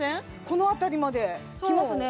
この辺りまできますね